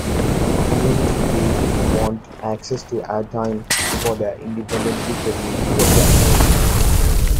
Community groups want access to airtime for their independently produced programs.